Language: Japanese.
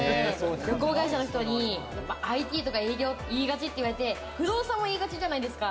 旅行会社の人にＩＴとか営業って言いがちって言われて、不動産も言いがちじゃないですか。